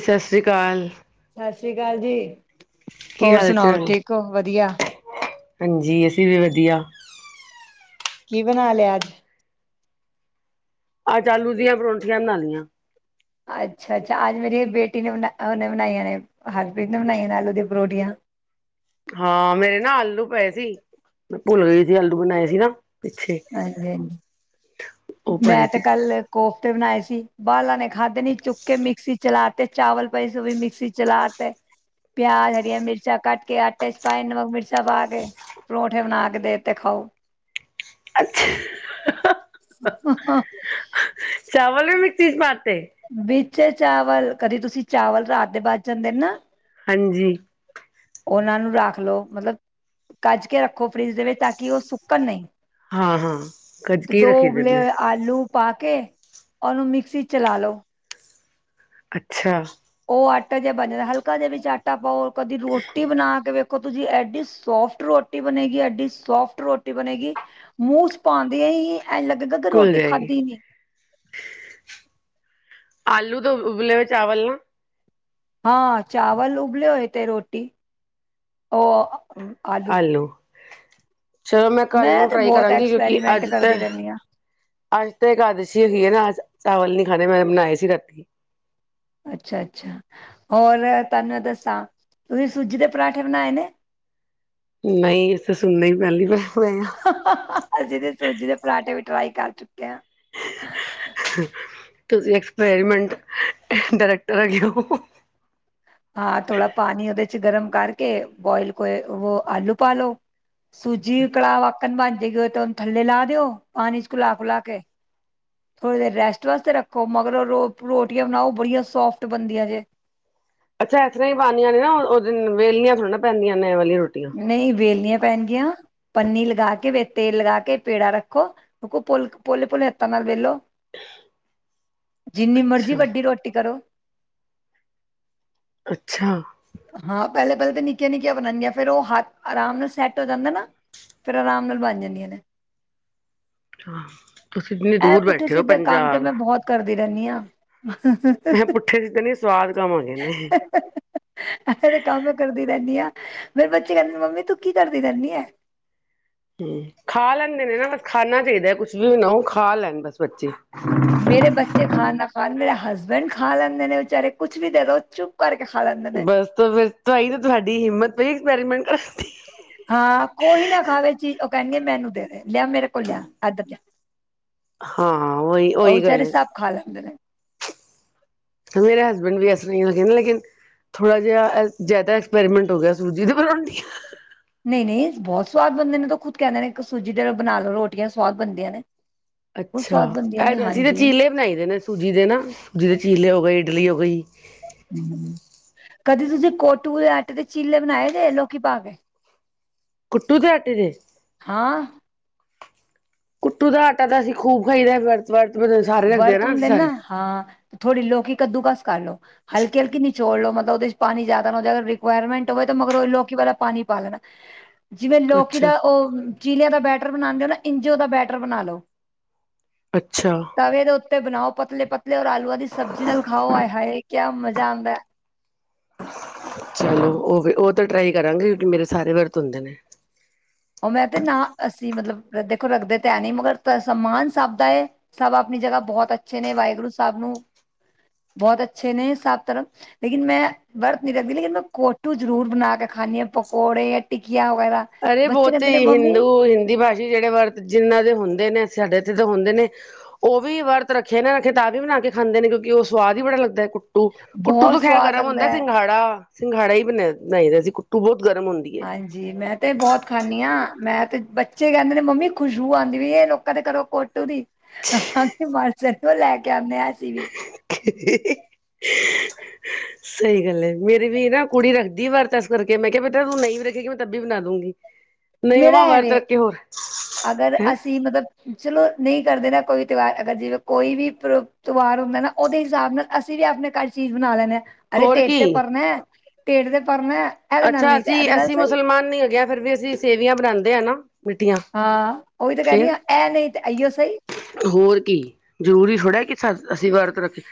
ਸਤਿ ਸ਼੍ਰੀ ਅਕਾਲ। ਸਤਿ ਸ੍ਰੀ ਅਕਾਲ ਜੀ, ਕੀ ਹੋਰ ਹਾਲ ਸੁਣਾਓ ਚਾਲ ਠੀਕ ਹੋ ਵਧੀਆ? ਹਾਂਜੀ, ਅਸੀਂ ਵੀ ਵਧੀਆ। ਕੀ ਬਨਾ ਲਿਆ ਅੱਜ? ਅੱਜ ਆਲੂ ਦੀਆਂ ਪਰੌਂਠੀਆਂ ਬਨਾ ਲਈੀਆਂ। ਅੱਛਾ-ਅੱਛਾ, ਅੱਜ ਮੇਰੀ ਬੇਟੀ ਨੇ ਬਨਾ ਓਨੇ ਬਣਾਈਆਂ ਨੇ, ਹਰਪ੍ਰੀਤ ਨੇ ਬਣਾਈਆਂ ਨੇ ਆਲੂ ਦੀਆਂ ਪਰੋਠੀਆਂ। ਹਾਂ ਮੇਰੇ ਨਾ ਆਲੂ ਪਏ ਸੀ, ਭੁੱਲ ਗਈ ਸੀ ਆਲੂ ਬਨਾਏ ਸੀ ਨਾ। ਪਿੱਛੇ ਹਾਂਜੀ-ਹਾਂਜੀ ਉਹ ਪਏ ਮੈਂ ਤੇ ਸੀ ਕੱਲ ਕੋਫਤੇ ਬਨਾਏ ਸੀ, ਬਾਲਾਂ ਨੇ ਖਾਧੇ ਨੀ ਚੁੱਕ ਕੇ ਮਿਕਸੀ ਚਲਾ ਤੇ ਚਾਲ ਪਏ ਸੀ ਵੀ ਮਿਕਸੀ ਚ ਚਲਾ ਤੇ ਪਿਆਜ਼, ਹਰੀਆਂ ਮਿਰਚਾਂ ਕੱਟ ਕੇ, ਆਟੇ ਚ ਪਾਏ ਨਮਕ, ਮਿਰਚ ਤਾਂ ਪਾ ਕੇ ਪਰੌਂਠੇ ਬਣਾ ਕੇ ਦੇਤੇ ਖਾਓ। ਅੱਛਾ। ਹਾਂ ਹਾਂ ਚਾਵਲ ਵੀ ਮਿਕਸੀ 'ਚ ਪਾਤੇ ਵਿੱਚ ਚਾਵਲ ਕਦੇ ਤੁਸੀਂ ਚਾਵਲ ਰਾਤ ਦੇ ਬੱਚ ਜਾਂਦੇ ਨੇ ਨਾ ਹਾਂਜੀ ਉਹਨਾਂ ਨੂੰ ਰੱਖ ਲਓ ਮਤਲਬ ਕੱਜ ਕੇ ਰੱਖੋ ਫਰਿੱਜ ਦੇ ਵਿੱਚ ਤਾਂ ਕਿ ਉਹ ਸੁੱਕਣ ਨਹੀਂ। ਹਾਂ ਹਾਂ ਕਜਕੀ ਦੋ ਰੱਖੀ ਉਬਲੇ ਦਿੰਦੇ ਹੋਏ ਆਲੂ ਪਾ ਕੇ ਉਹਨੂੰ ਮਿਕਸੀ ਚਲਾ ਲੋ। ਅੱਛਾ ਉਹ ਆਟਾ ਜਿਹਾ ਬਣ ਜਾਂਦਾ ਹਲਕਾ ਜਿਹਾ ਵਿੱਚ ਆਟਾ ਪਾਓ ਕਦੀ ਰੋਟੀ ਬਣਾ ਕੇ ੳਦੋ ਜੀ ਐਡੀ ਸੋਫਟ ਰੋਟੀ ਬਣੇਗੀ ਐਡੀ ਸੋਫਟ ਰੋਟੀ ਬਣੇਗੀ ਮੂੰਹ ਚ ਪਾਂਦਿਆਂ ਹੀ, ਏਂਜ ਲੱਗੇ ਗਾ ਘੁੱਲ ਜਾਏਗੀ ਆਲੂ ਤੋਂ ਉਬਲੇ ਹੋ ਚਾਵਲ ਲਉ ਹਾਂ ਚਾਵਲ ਉਬਲੇ ਹੋਏ ਤੇ ਰੋਟੀ ਉਹ ਆਲੂ ਚਲੋ ਮੈਂ ਕੱਲ ਨੂੰ ਤੇ ਟਰਾਈ ਬਹੁਤ ਕਰਾਂਗੀ ਕਿਉਂਕਿ ਐਕਸਪੈਰੀਮੈਂਟ ਅੱਜ ਤਾਂ ਕਰਦੀ ਰਹਿੰਦੀ ਹਾਂ ਅੱਜ ਤਾਂ ਇਕਾਦਸ਼ੀ ਹੋਗੀਏ ਨਾ ਅ ਚਾਵਲ ਨੀ ਖਾਣੇ ਮੈਂ ਬਣਾਏ ਸੀ ਰਾਤੀ ਅੱਛਾ, ਅੱਛਾ ਹੋਰ ਤੁਹਾਨੂੰ ਇਹ ਦੱਸਾਂ ਤੁਸੀਂ ਸੂਜੀ ਦੇ ਪਰਾਂਠੇ ਬਣਾਏ ਨੇ ਨਹੀਂ ਅਸੀ ਤਾ ਸੁਨਣੇ ਹੀ ਪਹਿਲੀ ਵਾਰ ਆ ਹਾ ਹਾ ਅਸੀਂ ਤੇ ਸੂਜੀ ਦੇ ਪਰਾਂਠੇ ਵੀ ਟਰਾਈ ਕਰ ਚੁੱਕੇ ਆ ਤੁਸੀਂ ਐਕਸਪੈਰੀਮੈਂਟ ਡਾਇਰੈਕਟਰ ਹੈਗੇ ਹੋ ਹਾਂ ਥੋੜ੍ਹਾ ਪਾਣੀ ਉਹਦੇ 'ਚ ਗਰਮ ਕਰਕੇ ਬੋਇਲ ਕੋ ਉਹ ਆਲੂ ਪਾ ਲਓ ਸੂਜੀ ਕੜਾ ਆਕਣ ਬਣਜੇ ਗਾ ਤਾਂ ੳਨੂੰ ਥੱਲੇ ਲਾ ਦਿਓ ਪਾਣੀ 'ਚ ਘੁਲਾ ਖੁਲਾ ਕੇ ਥੋੜ੍ਹੀ ਦੇਰ ਰੈਸਟ ਵਾਸਤੇ ਰੱਖੋ ਮਗਰੋ ਰੋਟੀਆਂ ਬਣਾਓ ਬੜੀਆਂ ਸੋਫਟ ਬਣਦੀਆਂ ਜੇ। ਅੱਛਾ ਇਸ ਤਰ੍ਹਾਂ ਹੀ ਬਣਦੀਆਂ ਨੇ ਨਾ ਉਹਨਾ ਵੇਲਣੀਆ ਥੌੜ੍ਹੀ ਨਾ ਪੈਂਦੀਆਂ ਨੇ ਵਾਲੀ ਰੋਟੀ। ਨਹੀਂ ਵੇਲਣੀਆਂ ਪੈਣਗੀਆਂ। ਪੰਨੀ ਲਗਾ ਕੇ ਤੇਲ ਲਗਾ ਕੇ ਵਿੱਚ ਪੇੜਾ ਰੱਖੋ ਪੁੱਲ ਪੁਲੇ, ਪੁਲੇ ਹੱਥਾਂ ਨਾਲ ਵੇਲੋ। ਜਿੰਨੀ ਮਰਜ਼ੀ ਅੱਛਾ, ਵੱਡੀ ਰੋਟੀ ਕਰੋ। ਅੱਛਾ, ਹਾਂ ਪਹਿਲੇ ਪਹਿਲੇ ਤੇ ਨਿੱਕੀਆਂ ਨਿੱਕੀਆਂ ਬਣਨਗੀਆਂ ਫੇਰ ਉਹ ਹੱਥ ਆਰਾਮ ਨਾਲ ਸੈੱਟ ਹੋ ਜਾਂਦਾ ਨਾ। ਫੇਰ ਆਰਾਮ ਨਾਲ ਬਣ ਜਾਂਦੀਆਂ ਨੇ। ਤੁਸੀਂ ਇੰਨੀ ਇਹ ਦੂਰ ਪੁੱਠੇ ਬੈਠੇ ਹੋ ਸਿੱਧੇ ਪੰਜਾਬ। ਹਾ ਹਾ ਅ ਪੁੱਠੇ 'ਚ ਤਾਂ ਨੀ ਸਵਾਦ ਕਮ ਹੋਗੇਨੇ। ਹਾ, ਹਾ ਅ ਤੇ ਕੰਮ ਮੈ ਕਰਦੀ ਰਹਿੰਦੀ ਆ ਫੇਰੇ ਬੱਚੇ ਕਹਿੰਦੇ ਨੇ ਮੰਮੀ ਤੂੰ ਕੀ ਕਰਦੀ ਰਹਿੰਦੀ ਆ। ਹਮ ਖਾ ਲੈਂਦੇ ਨੇ ਨਾ ਬੱਸ ਖਾਣਾ ਚਾਹੀਦਾ ਕੁਛ ਵੀ ਨਾ ਉਹ ਖਾ ਲੈਣ ਬੱਸ ਬੱਚੇ ਮੇਰੇ ਬੱਚੇ ਖਾਣ ਨਾ ਖਾਣ ਮੇਰੇ ਹਸਬੈਂਡ ਖਾ ਲੈਂਦੇ ਨੇ ਵਿਚਾਰੇ ਕੁਛ ਵੀ ਦੇ ਦੋ ਚੁਪ ਭਰ ਕੇ ਖਾ ਲੈਣ ਬੱਸ ਫਿਰ ਤਾਂਈ ਤੇ ਤੁਹਾਡੀ ਹਿੰਮਤ ਪਈ ਐਕਸਪੈਰੀਮੈਂਟ ਕਰਨ ਦੀ ਹਾਂ ਕੋਈ ਨਾ ਖਾਵੇ ਚੀਜ਼ ਉਹ ਕਹਿਣਗੇ ਮੈਨੂੰ ਦੇ ਲਿਆ ਮੇਰੇ ਕੋਲ ਲਿਆ ਇੱਦਰ ਲਿਆ। ਹਾਂ ਉਹੀ ਉਹ ਉਹੀ ਗੱਲ ਵਿਚਾਰੇ ਏ ਸਭ ਖਾ ਲੈਂਦੇ ਨੇ ਮੇਰੇ ਹਸਬੈਂਡ ਵੀ ਐਸੇ ਤਰਾ ਦੇ ਹੀਂ ਹੈਗੇ ਲੇਕਿਨ ਥੋੜਾ ਜਿਹਾ ਜ਼ਿਆਦਾ ਐਕਸਪੈਰੀਮੈਂਟ ਹੋ ਗਿਆ ਸੂਜੀ ਦੇ ਬਣਾਉਣਦੀਆ ਨਹੀਂ ਨਹੀਂ ਬਹੁਤ ਸਵਾਦ ਬਣਦੇ ਨੇ ਖੁਦ ਕਹਿੰਦੇ ਨੇ ਸੂਜੀ ਦੇ ਬਣਾ ਲਓ ਰੋਟੀਆਂ ਸਵਾਦ ਬਣਦੀਆਂ ਨੇ। ਬਹੁਤ ਅੱਛਾ ਸਵਾਦ ਬਣਦੀਆਂ ਨੇ ਅਸੀਂ ਤਾਂ ਹਾਂਜੀ ਚੀਲੇ ਬਣਾਈ ਦੇ ਨੇ ਸੂਜੀ ਦੇ ਨਾ ਸੂਜੀ ਦੇ ਚੀਲੇ ਹੋ ਗਏ ਇਡਲੀ ਹੋ ਗਈ। ਕਦੀ ਤੁਸੀਂ ਕੋਟੂ ਦੇ ਆਟੇ ਦੇ ਚੀਲੇ ਬਣਾਏ ਜੇ ਲੋਕੀ ਪਾ ਕੇ। ਕੁੱਟੂ ਤੇ ਆਟੇ ਦੇ। ਹਾਂ ਕੁੱਟੂ ਦਾ ਆਟਾ ਤਾਂ ਅਸੀਂ ਖੂਬ ਖਾਈਦਾ ਵਰਤ ਵ [unintelligible] ਵਰਤ ਹੁੰਦੇ ਨਾ, ਹਾਂ ਥੋੜੇ ਲੋਕੀ ਕੱਦੂ ਕਸ ਕਰ ਲੋ। ਹਲਕੀ- ਹਲਕੀ ਨੀਚੋੜ ਲੋ ਮਤਲਬ ਉਹਦੇ 'ਚ ਪਾਣੀ ਜ਼ਿਆਦਾ ਹੋਵੇ, ਰਿਕੁਰਮੈਂਟ ਹੋਵੇ ਤਾਂ ਮਗਰੋ ਲੋਕੀ ਵਾਲਾ ਪਾਣੀ ਪਾ ਦੇਣਾ ਹ ਜਿਵੇਂ ਲੋਕੀ ਦਾ ਉਹ, ਚੀਲਿਆਂ ਦਾ ਬੈਟਰ ਬਣਾਉਦੇ ਹੋ ਨਾ ਇੰਜ ਉਹਦਾ ਬੈਟਰ ਬਣਾ ਲਓ। ਅੱਛਾ ਤਵੇ ਦੇ ਉੱਤੇ ਬਣਾਓ, ਪਤਲੇ- ਪਤਲੇ ਔਰ ਆਲੂਆਂ ਦੀ ਸਬਜ਼ੀ ਨਾਲ ਖਾਓ, ਆਏ ਹਾਏ ਕਿਆ ਮਜ਼ਾ ਆਉਂਦਾ ਹੈ। ਚਲੋ, ਉਹ ਵੀ ਉਹ ਤਾਂ ਟਰਾਈ ਕਰਾਂਗੇ ਕਿਉਂਕਿ ਮੇਰੇ ਸਾਰੇ ਵਰਤ ਹੁੰਦੇ ਨੇ। ਉਹ ਮੈਂ ਤੇ ਨਾ, ਅਸੀਂ ਮਤਲਬ ਦੇਖੋ ਰੱਖਦੇ ਤਾਂ ਹੈ ਨਹੀਂ ਮਗਰ ਸਮਾਨ ਸਭ ਦਾ। ਸਭ ਆਪਣੀ ਜਗ੍ਹਾ ਬਹੁਤ ਅੱਛੇ ਨੇ, ਵਾਹਿਗੁਰੂ ਸਾਹਿਬ ਨੂੰ ਬਹੁਤ ਅੱਛੇ ਨੇ ਸਭ ਤਰਫ ਲੇਕਿਨ ਮੈਂ ਵਰਤ ਨਹੀ ਰੱਖਦੀ, ਲੇਕਿਨ ਮੈਂ ਕੋਟੂ ਜ਼ਰੂਰ ਬਣਾ ਕੇ ਖਾਂਦੀ ਹਾਂ, ਪਕੌੜੇ, ਟਿਕੀਆਂ ਵਗੈਰਾ ਅਰੇ ਬੱਚੇ ਬਹੁਤ ਕਹਿੰਦੇ ਨੇ ਮੰਮੀ ਹਿੰਦੂ ਹਿੰਦੀ ਭਾਸ਼ਾ ਜਿਹੜੇ ਵਰਤ, ਜਿੰਨਾਂ ਦੇ ਹੁੰਦੇ ਨੇ, ਸਾਡੇ ਤੇ ਤਾਂ ਹੁੰਦੇ ਨੇ। ਉਹ ਵੀ ਵਰਤ ਰੱਖੇ ਨੇ ਰੱਖੇ ਤਾਂ ਵੀ ਬਣਾ ਕੇ ਖਾਂਦੇ ਨੇ ਕਿਉਕਿ ਉਹ ਸਵਾਦ ਹੀ ਬੜਾ ਲੱਗਦਾ ਹੈ। ਕੁੱਟੂ, ਕੁੱਟੂ ਬਹੁਤ ਤੋਂ ਖੈਰ ਸਵਾਦ ਗਰਮ ਲੱਗਦਾ ਹੁੰਦਾ ਹੈ ਸਿੰਘਾੜਾ, ਸਿੰਘਾੜਾ ਹੀ ਬ ਬਣਾਈਦਾ ਸੀ ਕੁੱਟੂ ਬਹੁਤ ਗਰਮ ਹੁੰਦਾ। ਹਾਂਜੀ ਜੀ ਮੈਂ ਤੇ ਬਹੁਤ ਖਾਂਦੀ ਹਾਂ, ਮੈਂ ਤੇ ਬੱਚੇ ਕਹਿੰਦੇ ਨੇ ਮੰਮੀ ਖੁਸ਼ਬੂ ਆਉਂਦੀ ਵੀ ਇਹ ਲੋਕਾਂ ਦੇ ਘਰੋਂ ਕੋ ਕੁੱਟੂ ਦੀ ਤ ਮਸ ਨੂੰ ਲੈ ਕੇ ਆਉਂਦੇ ਅਸੀ ਵੀ [unintelligible] [inaudible] ਸਹੀ ਗੱਲ ਹੈ ਮੇਰੀ ਵੀ ਨਾ ਕੁੜੀ ਰੱਖਦੀ ਵਰਤ ਇਸ ਕਰਕੇ ਮੈਂ ਕਿਹਾ ਬੇਟਾ ਤੂੰ ਨਹੀਂ ਵੀ ਰੱਖੇਗੀ ਮੈਂ ਤਬ ਵੀ ਬਣਾ ਦੂੰਗੀ। ਨਹੀਂ ਮੰਮਾ ਮੇਰਾ ਵਰਤ ਐਵੇ ਰੱਖੇ ਹੋਰ ਅਗਰ ਹੈਂ ਅਸੀਂ ਮਤਲਬ ਚਲੋ ਨਹੀਂ ਕਰਦੇ ਨਾ ਕੋਈ ਤਿਉਹਾਰ ਅਗਰ ਜਿਵੇਂ ਕੋਈ ਵੀ ਤਿਉਹਾਰ ਹੁੰਦਾ ਨਾ, ਉਹਦੇ ਹਿਸਾਬ ਨਾਲ ਅਸੀਂ ਵੀ ਆਪਣੇ ਘਰ ਚੀਜ਼ ਬਣਾ ਲੈਣੇ ਹਾਂ। ਅਰੇ ਹੋਰ ਢਿੱਡ ਕੀ ਤੇ ਭਰਨਾ, ਢਿੱਡ ਤੇ ਭਰਨਾ ਇਹਦੇ ਨਾਲ ਅੱਛਾ ਨਹੀਂ ਤੇ ਅਸੀਂ, ਇਹਦੇ ਨਾਲ ਅਸੀਂ ਸਹੀ ਮੁਸਲਮਾਨ ਨੀ ਹੈਗੇ ਆ, ਫਿਰ ਵੀ ਅਸੀਂ ਸੇਵੀਆਂ ਬਣਾਉਂਦੇ ਹਾਂ ਨਾ। ਮਿੱਠੀਆਂ ਹਾਂ, ਉਹੀ ਤਾਂ ਕਹਿ ਰਹੀ ਫੇਰ ਹ ਐ ਨਹੀਂ ਤੇ ਇਈਓ ਸਹੀ। ਹੋਰ ਕੀ, ਜਰੂਰੀ ਥੋੜ੍ਹਾ ਕਿ ਅਸੀਂ ਵਰਤ ਰੱਖੀਏ।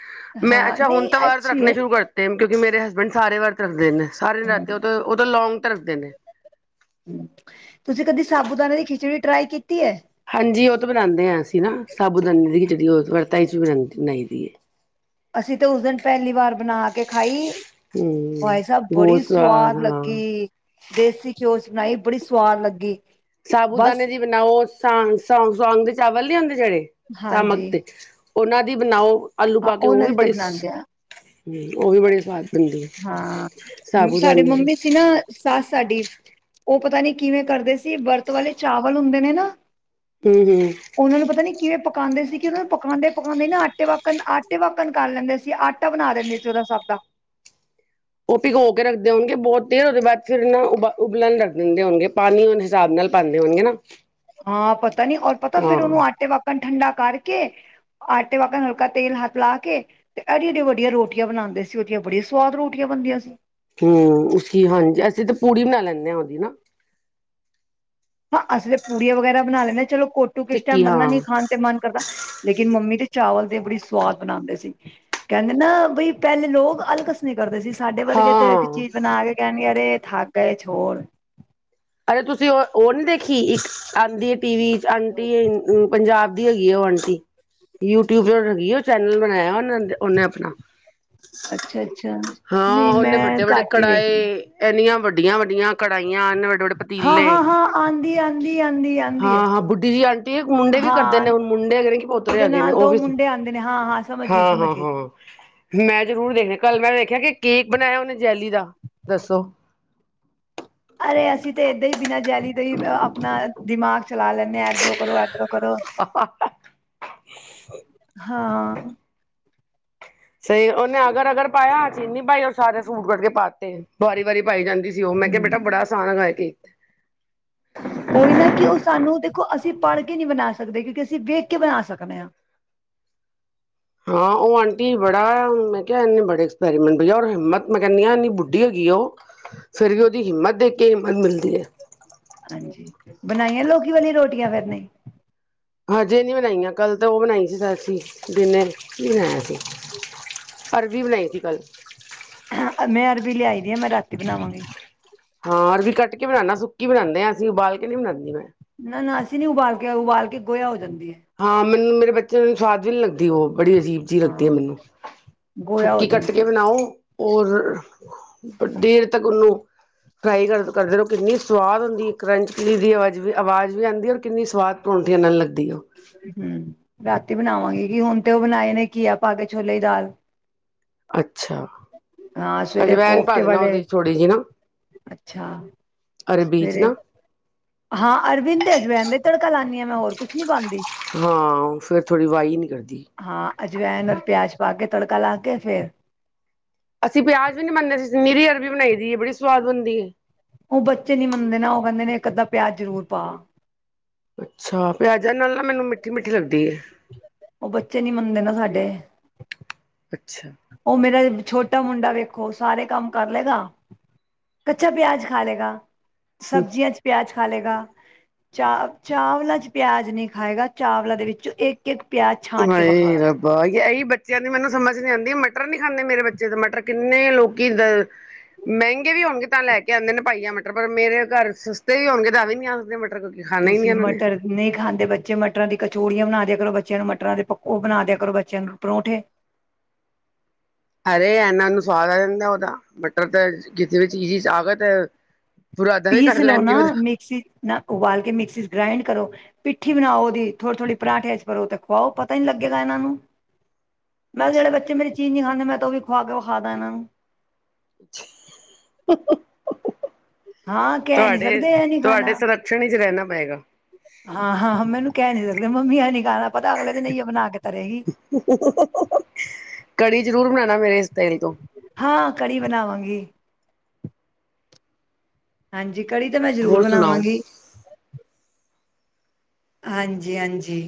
ਮੈਂ ਹਾਂ ਅੱਛਾ, ਹੁਣ ਨਹੀਂ ਤਾਂ ਵਰਤ ਅੱਛੀ ਰੱਖਣੇ ਹੈ ਸ਼ੁਰੂ ਕਰ ਦਿਤੇ। ੱ ਟਾਈਮ ਕਿਉਂਕਿ ਮੇਰੇ ਹਸਬੈਂਡ ਸਾਰੇ ਵਰਤ ਰਖਦੇ ਨੇ ਸਾਰੇ ਨਰਾਤੇ ਉਹ ਤੋਂ ਉਹ ਤਾਂ ਲੌਂਗ ਰੱਖਦੇ ਨੇ। ਤੁਸੀਂ ਕਦੀ ਸਾਬੂ ਦਾਣੇੇ ਦੀ ਖਿਚੜੀ ਟਰਾਈ ਕੀਤੀ ਹੈ? ਹਾਂਜੀ ਉਹ ਤਾਂ ਬਣਾਉਂਦੇ ਹਾਂ ਅਸੀਂ ਨਾ, ਸਾਬੂਦਾਨੇ ਦੀ ਖਿਚੜੀ ਉਹ ਵਰਤਾ ਵਿਚ ਵੀ ਬਣਾਈ ਦੀ ਹੈ। ਅਸੀਂ ਤਾਂ ਉਸ ਦਿਨ ਪਹਿਲੀ ਵਾਰ ਬਣਾ ਕੇ ਖਾਈ। ਹਮ ਭਾਈ ਸਾਹਿਬ ਬੜੀ ਬਹੁਤ ਸਵਾਦ ਹਾਂ ਲੱਗੀ। ਦੇਸੀ ਘਿਓ 'ਚ ਬਣਾਈ ਬੜੀ ਸਵਾਦ ਲੱਗੀ। ਸਾਬੂਦਾਨੇ ਬਸ ਦੀ ਬਣਾਓ, ਸਵਾਂਗ ਦੇ ਚਾਵਲ ਨੀ ਹੁੰਦੇ ਜਿਹੜੇ ਸਾਮਕ ਹਾਂਜੀ ਤੇ ਉਹਨਾਂ ਦੀ ਬਣਾਓ, ਆਲੂ ਹਾਂ ਪਾ ਕੇ ਉਹ ਉਹਨਾਂ ਵੀ ਦੀ ਤਾਂ ਬੜੀ ਬਣਾਉਂਦੇ ਆ ਹਮ, ਉਹ ਵੀ ਬੜੇ ਸਵਾਦ ਬਣਦੇ ਆ, ਹਾਂ ਸਾਡੇ ਸਾਬੂਦਾਨੇ ਦੀ। ਮੰਮੀ ਸੀ ਨਾ ਸੱਸ ਸਾਡੀ, ਉਹ ਪਤਾ ਨੀ ਕਿਵੇਂ ਕਰਦੇ ਸੀ ਵਰਤ ਵਾਲੇ ਚਾਵਲ ਹੁੰਦੇ ਨੇ ਨਾ ਹਮ- ਹਮ ਉਹਨਾਂ ਨੂੰ ਪਤਾ ਨਹੀਂ ਕਿਵੇਂ ਪਕਾਉਂਦੇ ਸੀ ਕਿ ਉਹਨਾਂ ਨੂੰ ਪਕਾਉਂਦੇ -ਪਕਾਉਂਦੇ ਨਾ ਆਟੇ ਵ ਆਟੇ ਪਾਗਣ ਕਰ ਲੈਂਦੇ ਸੀ, ਆਟਾ ਬਣਾ ਦਿੰਦੇ ਸੀ ਉਹਦਾ ਸਭ ਦਾ। ਉਹ ਭਿਗੋ ਕੇ ਰੱਖਦੇ ਹੋਣਗੇ ਬਹੁਤ ਦੇਰ ਉਹਦੇ ਬਾਅਦ ਫਿਰ ਨਾ ਉਬ ਉਬਲਣ ਰੱਖ ਦਿੰਦੇ ਹੋਣਗੇ ਪਾਣੀ ਉਹ ਹਿਸਾਬ ਨਾਲ ਬਣਦੇ ਹੋਣਗੇ ਨਾ। ਹਾਂ ਪਤਾ ਨੀ ਔਰ ਪਤਾ ਹਾਂ ਫੇਰ ਉਹਨੂੰ ਆਟੇ ਵਕਣ ਠੰਡਾ ਕਰਕੇ, ਆਟੇ ਵਕਣ ਹਲਕਾ ਤੇਲ ਹਥ ਲਾ ਕੇ ਤੇ ਐਡੀਆਂ- ਐਡੀਆਂ ਵੱਡੀਆਂ ਰੋਟੀਆਂ ਬਣਾਉਂਦੇ ਸੀ, ਉਹਦੀਆਂ ਬੜੀਆਂ ਸੁਆਦ ਰੋਟੀਆਂ ਬਣਦੀਆਂ ਸੀ। ਹਮ, ਉਸਕੀ ਹਾਂਜੀ, ਅਸੀਂ ਤਾਂ ਪੂੜੀ ਬਣਾ ਲੈਂਦੇ ਹਾਂ ਉਹਦੀ ਨਾ। ਹਾਂ ਅਸੀਂ ਤਾਂ ਪੂੜੀਆਂ ਵਗੈਰਾ ਬਣਾ ਲੈਂਦੇ ਹ ਚਲੋ ਕੋਟੂ ਕਿਸ ਟਾਈਮ ਟਿੱਕੀ ਬੰਦਾ ਹਾਂ ਨੀ ਖਾਣ ਤੇ ਮਨ ਕਰਦਾ। ਲੇਕਿਨ ਮੰਮੀ ਤੇ ਚਾਵਲ ਦੇ ਬੜੀ ਸਵਾਦ ਬਣਾਉਂਦੇ ਸੀ, ਕਹਿੰਦੇ ਨਾ ਬਈ ਪਹਿਲੇ ਲੋਕ ਅਲਗ ਨੀ ਕਰਦੇ ਸੀ, ਸਾਡੇ ਵਰਗੇ ਤੇ ਇੱਕ ਹਾਂ ਚੀਜ ਬਨਾ ਕੇ ਕੈਣਗੇ ਅਰੇ ਥੱਕ ਗੇ ਛੋੜ। ਅਰੇ ਤੁਸੀਂ ਓ ਓਨੀ ਦੇਖੀ? ਇੱਕ ਆਂਦੀ ਏ ਟੀਵੀ ਚ ਆਂਟੀ ਏ ਓ ਪੰਜਾਬ ਦੀ ਹੈਗੀ ਏ ਓ ਆਂਟੀ, ਯੂਟਿਊਬਰ ਹੈਗੀ ਏ ਓ ਚੈਨਲ ਬਨਾਏਆ ਓ ਓਨੇ ਆਪਨਾ। ਅੱਛਾ-ਅੱਛਾ। ਹਾਂ, ਓਨੇ ਬਡੇ-ਵੱਡੇ ਕੜਾਏ ਐਨੀਆਂ ਵੱਡੀਆਂ-ਵੱਡੀਆਂ ਕੜਾਈਆਂ ਐਨੇ ਵੱਡੇ-ਵੱਡੇ ਹਾਂ ਪਤੀਲੇ ਹਾਂ ਹਾਂ ਹਾਂ ਆਂਦੀ ਆਂਦੀ ਆਂਦੀ ਆਂਦੀ ਹੈ ਹਾਂ, ਹਾਂ ਬੁੱਡੀ ਜੀ ਆਂਟੀ ਏ ਮੁੰਡੇ ਵੀ ਕਰਦੇ ਹਾਂ ਨੇ ਓ ਮੁੰਡੇ ਹੈਗੇ ਨੇ ਕਿ ਬੋ ਉਹਦੇ ਹੈਗੇ ਨੇ ਨਾਲ ਓ ਦੋ ਵਿੱਚ ਮੁੰਡੇ ਆਉਂਦੇ ਨੇ ਹਾਂ ਸਮਝ ਗਈ ਹਾਂ, ਸਮਝ ਹਾਂ, ਗਈ ਹਾਂ। ਮੈਂ ਜਰੂਰ ਦੇਖਨੀ ਆ ਕੱਲ ਮੈਂ ਵੇਖੇਆ ਕੇ, ਕੇਕ ਬਨਾਯਾ ਓਨੇ ਜੈਲੀ ਦਾ ਦੱਸੋ ਅਰੇ ਅਸੀਂ ਤੇ, ਏਦਾਂ ਈ ਬਿਨਾਂ ਜੈਲੀ ਦਾ ਈ ਅਪਨਾ ਦਿਮਾਗ ਚਲਾ ਲੈਂਨੇ ਆਂ ਏਦਰੋਂ ਕਰੋ ਏਦਰੋ [unintelligible] ਹਾਂ। ਸਈ ਓਨੇ ਅਗਰ, ਅਗਰ ਪਾਏਆ ਚੀਨੀ ਪਾਈ ਓਰ ਸਾਰੇ ਫ੍ਰੂਟ ਕੱਟ ਕੇ ਪਾਤੇ ਵਾਰੀ-ਵਾਰੀ ਪਾਈ ਜਾਂਦੀ ਸੀ। ਤੇ ਓ ਮੈਂ ਕੇਆ ਬੇਟਾ ਹਮ ਬੜਾ ਆਸਾਨ ਬਨਾਏਯਾ ਕੇਕ। ਓਈ ਨਾ ਕੇ, ਓ ਸਾਨੂੰ ਦੇਖੋ ਅਸੀਂ ਪਾੜ ਕੇ ਨੀ ਬਨਾ ਸਕਦੇ ਕਿਉ ਕਿ ਅਸੀਂ ਵੇਖ ਕੇ ਬਨਾ ਸਕਦੇ ਆ। ਹਾਂ ਓ ਆਂਟੀ ਬੜਾ, ਮੈਂ ਕੇਆ ਏਨੇ ਬੜੇ ਐਕਸਪੈਰੀਮੈਂਟ ਬਜੋ ਔਰ ਹਿੰਮਤ ਮੈ ਕੈਨੀ ਐਨੀ ਬੁੱਡੀ ਹੈਗੀ ਓ। ਫੇਰ ਵੀ ਓਦੀ ਹਿੰਮਤ ਦੇਖ ਕੇ ਹਿੰਮਤ ਮਿਲਦੀ ਏ। ਹਾਂਜੀ, ਬਨਾਈਆਂ ਲੋਕੀ ਵਾਲੀ ਰੋਟੀਆਂ ਫੇਰ ਨੀ? ਹਾਜੇ ਨੀ ਬਨਾਈਆਂ, ਕੱਲ ਤਾਂ ਓ ਬਣਾਈ ਸੀ ਅਸੀ ਡਿਨਰ ਚ ਕੀ ਬਣਾਏਆ ਸੀ ਅਰਬੀ ਬਣਾਈ ਸੀ ਕੱਲ। ਮੈਂ ਅਰਬੀ ਲਿਆਈ ਦੀ ਆ, ਮੈਂ ਰਾਤੀ ਬਨਾਵਾਂਗੀ। ਹਾਂ, ਅਰਬੀ ਕੱਟ ਕੇ ਬਣਾਨਾ ਸੁੱਕੀ ਬਣਾਂਦੇ ਆ ਅਸੀਂ ਉਬਾਲ ਕੇ ਨੀ ਬਣਾਦੀ ਮੈਂ। ਨਾ-ਨਾ ਅਸੀਂ ਨੀ ਉਬਾਲ ਕੇ ਉਬਾਲ ਕੇ ਗੋਏਆ ਹੋ ਜਾਂਦੀ ਏ। ਹਾਂ, ਮੈਨੂੰ ਮੇਰੇ ਬੱ [unintelligible] ਸਵਾਦ ਵੀ ਨੀ ਲੱਗਦੀ ਓ ਬੜੀ ਅਜੀਬ ਜੀ ਲੱਗਦੀ ਹਾਂ ਮੈਨੂੰ, ਗੋਇਆ ਹੋ ਸੁੱਕੀ ਕੱਟ ਕੇ ਜਾਂਦੀ ਬਨਾਓ ਓਰ, ਦੇਰ ਤੱਕ ਓਨੂੰ ਫ੍ਰਾਈ ਕਰ ਕਰਦੇ ਰੋ ਕਿੰਨੀ ਸਵਾਦ ਹੋਂਦੀ ਕਰੰਚੀ ਦੀ ਆਵਾਜ ਵੀ ਆਵਾਜ ਨੀ ਆਂਦੀ ਔਰ ਕਿੰਨੀ ਸਵਾਦ ਹੋਂਦੀ ਨਾਲ ਲੱਗਦੀ ਓ ਹੂੰ, ਰਾਤੀ ਬਨਾਵਾਂਗੀ ਕਿ ਹੋਨ ਤੇ ਓ ਬਣਾਏ ਨੇ ਘੀਆ ਪਾ ਕੇ ਛੋਲੇ ਦੀ ਦਾਲ ਅੱਛਾ, ਹਾਂ ਸਵੇਰੇ ਅੱਜਵੈਨ ਕੋਫਤੇ ਪਾਦੇਨਾ ਵਾਲੇ ਓਦੇ ਚ ਥੋੜੀ ਜੀ ਨਾ ਅੱਛਾ, ਅਰਬੀ ਚ ਸਵੇਰੇ ਨਾ ਹਾਂ, ਅਰਬੀ ਨੂੰ ਤੇ ਅਜਵੈਨ ਦਾ ਈ ਤੜਕਾ ਲਾਂਨੀ ਆ ਮੈਂ ਹੋਰ ਕੁਛ ਨੀ ਪਾਂਦੀ। ਹਾਂ, ਫੇਰ ਥੋੜੀ ਵਾਈ ਨੀ ਕਰਦੀ ਹਾਂ, ਅਜਵੈਨ ਓਰ ਪੇਆਜ ਪਾ ਕੇ ਤੜਕਾ ਲਾ ਕੇ ਫੇਰ ਅਸੀਂ ਪੇਆਜ਼ ਵੀ ਨੀ ਪਾਂਦੇ, ਅਸੀ ਨੀਰੀ ਅਰਵੀ ਬਣਾਈ ਦੀ ਏ ਬੜੀ ਸੁਆਦ ਬਨਦੀ ਏ। ਓ ਬੱਚੇ ਨੀ ਮੰਨਦੇ ਨਾ, ਓ ਕੈਂਦੇ ਨੇ ਇੱਕ-ਅੱਦਾ ਪੇਆਜ ਜਰੂਰ ਪਾ। ਅੱਛਾ, ਪਿਆਜਾਂ ਨਾਲ ਨਾ ਮੈਨੂੰ ਮਿੱਠੀ-ਮਿੱਠੀ ਲੱਗਦੀ ਏ। ਓ ਬੱਚੇ ਨੀ ਮੰਨਦੇ ਨਾ ਸਾਡੇ। ਅੱਛਾ। ਓ ਮੇਰਾ, ਛੋਟਾ ਮੁੰਡਾ ਵੇਖੋ ਸਾਰੇ ਕਾੰਮ ਕਰ ਲੇਗਾ। ਕੱਚਾ ਪੇਆਜ ਖਾ ਲੇਗਾ, ਹੂੰ ਸਬਜੀਆਂ ਚ ਪੇਆਜ। ਖਾ ਲੇਗਾ ਚਾ ਚਾਵਲਾ ਚ, ਪੇਆਜ ਨਈ ਖਾਏਗਾ ਚਾਵਲਾ ਦੇ ਵਿੱਚ ਇੱਕ ਏਕ ਪੇਆਜ ਚ ਹਾਏ ਰੱਬਾ, ਐਈ ਬੱਚੇਆਂ ਦੀ ਮੈਨੂੰ ਸਮਝ ਨੀ ਆਂਦੀ ਮਟਰ ਨੀ ਖਾਂਦੇ ਮੇਰੇ ਬੱਚੇ ਦੇ ਮਟਰ ਕਿੰਨੇ ਲੋਕੀ ਦ ਮੈਂਗੇ ਵੀ ਹੋਣਗੇ ਤਾਂ ਲੈ ਕੇ ਆਂਦੇ ਨੇ ਪਾਈਆ ਮਟਰ, ਪਰ ਮੇਰੇ ਘਾਰ ਸਸਤੇ ਵੀ ਹੋਣਗੇ ਤਾਂ ਵੀ ਨੀ ਆਂਦੇ ਮ ਤੁਸੀ ਮਟਰ ਨਈ ਖਾਂਦੇ ਬੱਚੇ, ਮਟਰਾਂ ਦੀ ਕਚੋੜੀਆਂ ਬਣਾ ਦੇਆ ਕਰੋ ਬੱਚੇਆਂ ਨੂੰ ਮਟਰਾਂ ਦੇ ਪਕ ਓ ਬਣਾ ਦੇਆ ਕਰੋ ਬੱਚੇਆਂ ਨੂੰ ਪਰੌਂਠੇ। ਅਰੇ ਐਨਾ ਨੂੰ ਸਵਾਦ ਆ ਜਾਂਦਾ ਓਦਾ, ਮਟਰ ਤਾਂ ਕਿਸੇ ਵੀ ਚੀਜ਼ ਚ ਆਗ ਤ ਬੂਰਾਦਾ ਵੀ ਕੱਡ ਲੈਨਗੇ ਓਦਾ ਸੀ ਨਾ ਉਬਾਲ ਕੇ ਮਿਕਸੀ ਚ ਗ੍ਰਾਇੰਡ ਕਰੋ ਪਿੱਠੀ ਬਨਾਓ ਓਦੀ, ਥੋੜੀ-ਥੋੜੀ ਪਰਾਠੇਆਂ ਚ ਭਰੋ ਤੇ ਖਵਾਓ ਪਤਾ ਈ ਨੀ ਲੱਗੇਗਾ ਐਨਾਂ ਨੂੰ। [inaudible] ਮੈਂ ਕਿਹਾ ਜਿਹੜੇ ਬੱਚੇ ਮੇਰੀ ਚੀਜ਼ ਨੀ ਖਾਂਦੇ ਮੈਂ ਤਾ ਉਹ ਵੀ ਖਵਾ ਕੇ ਵਖਾਂਦਾ ਇਹਨਾਂ ਨੂੰ। [unintelligible] ਹਾਂ ਕਹਿ ਨਹੀਂ ਤੁਹਾਡੇ ਸਕਦੇ ਐ ਨੀ ਤੁਹਾਡੇ ਖਾਣਾ। ਸੰਰਕਸ਼ਣ ਵਿੱਚ ਰਹਿਣਾ ਪਏਗਾ ਹਾਂ-ਹਾਂ-ਹਾਂ ਮੈਨੂੰ ਕਹਿ ਨੀ ਸਕਦੇ ਮੰਮੀ ਇਹ ਨੀ ਖਾਣਾ ਪਤਾ ਅਗਲੇ ਦਿਨ ਇਹਓ ਬਣਾ ਕੇ ਧਰੇਗੀ। ਕੜੀ ਜਰੂਰ ਬਣਾਉਣਾ ਮੇਰੇ ਇਸ ਤੇਲ ਤੋਂ। ਹਾਂ ਕੜੀ ਬਣਾਵਾਂਗੀ। ਹਾਂਜੀ ਕੜੀ ਤਾਂ ਮੈਂ ਜ਼ਰੂਰ ਹੋਰ ਸੁਣਾਓ ਬਣਾਵਾਂਗੀ। ਹਾਂਜੀ-ਹਾਂਜੀ,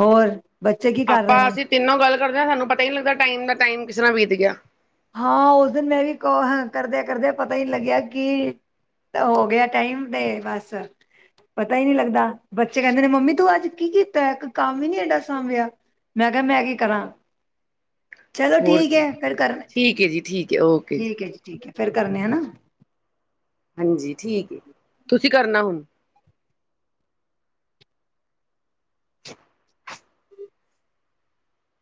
ਹੋਰ ਬੱਚੇ ਕੀ ਕਰ ਆਪਾਂ ਰਹੇ ਨੇ ਅਸੀਂ ਤਿੰਨੋਂ ਗੱਲ ਕਰਦੇ ਹਾਂ ਸਾਨੂੰ ਪਤਾ ਹੀ ਨਹੀਂ ਲੱਗਦਾ ਟਾਈਮ ਦਾ ਟਾਈਮ ਕਿਸ ਤਰ੍ਹਾਂ ਬੀਤ ਗਿਆ। ਹਾਂ ਉਸ ਦਿਨ ਮੈਂ ਵੀ ਕਰਦੇ-ਕਰਦੇ ਪਤਾ ਹੀ ਨੀ ਲੱਗਿਆ ਕਿ ਹੋ ਗਿਆ ਟਾਈਮ ਦੇ ਬਸ ਪਤਾ ਹੀ ਨੀ ਲੱਗਦਾ, ਬੱਚੇ ਕਹਿੰਦੇ ਨੇ ਮੰਮੀ ਤੂੰ ਅੱਜ ਕੀ ਕੀਤਾ ਇੱਕ ਕੰਮ ਹੀ ਨੀ ਏਡਾ ਸਾਂਭਿਆ। ਮੈਂ ਕਿਹਾ ਮੈਂ ਕੀ ਕਰਾਂ, ਚਲੋ ਹੋਰ ਠੀਕ ਕੀ ਹੈ ਫੇਰ ਕਰ ਠੀਕ ਹੈ ਜੀ ਠੀਕ ਹੈ ਓਕੇ ਜੀ। ਠੀਕ ਹੈ ਜੀ ਠੀਕ ਹੈ ਫੇਰ ਕਰਨੇ ਆ ਹਨਾ। ਹਾਂਜੀ ਠੀਕ, ਤੁਸੀਂ ਕਰਨਾ ਹੁਣ। [unintelligible]